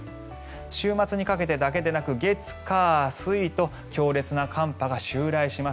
週末にかけてだけでなく月火水と強烈な寒波が襲来します。